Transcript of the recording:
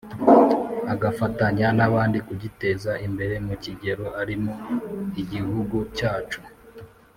Agafatanya n abandi kugiteza imbere mu kigero arimo igihugu cyacu